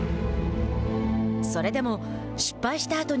それでも、失敗したあとに